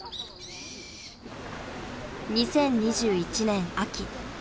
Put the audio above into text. ［２０２１年秋］